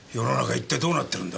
一体どうなってるんだ？